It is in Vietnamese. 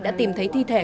đã tìm thấy thi thể